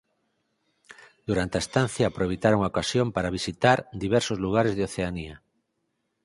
Durante a estancia aproveitaron a ocasión para visitar diversos lugares de Oceanía.